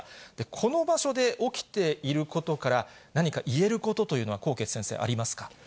この場所で起きていることから、何か言えることというのは、纐纈先生、ありますか？